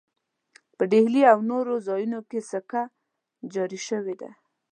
په ډهلي او نورو ځایونو کې سکه جاري شوې ده.